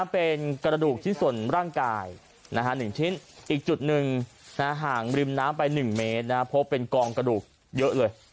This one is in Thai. เป็นกระดูกชิ้นส่วนร่างกาย๑ชิ้นอีกจุดหนึ่งห่างริมน้ำไป๑เมตรพบเป็นกองกระดูกเยอะเลย